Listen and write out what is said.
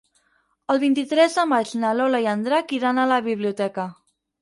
El vint-i-tres de maig na Lola i en Drac iran a la biblioteca.